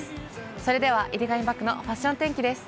それでは井手上漠のファッション天気です。